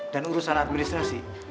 dan urusan administrasi